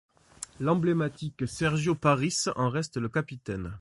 L'emblématique Sergio Parisse en reste le capitaine.